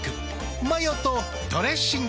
マヨとドレッシングで。